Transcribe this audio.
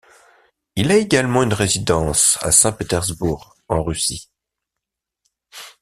Il a également une résidence à Saint-Pétersbourg en Russie.